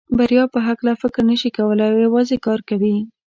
د بریا په هکله فکر نشي کولای او یوازې کار کوي.